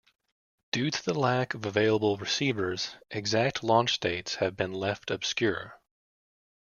Due to the lack of available receivers, exact launch dates have been left obscure.